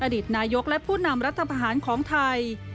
อดีตนายกและผู้นำรัฐพาหารของไทย